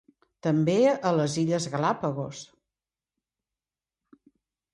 També a les Illes Galápagos.